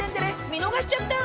見逃しちゃった！